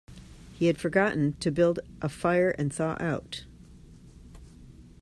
He had forgotten to build a fire and thaw out.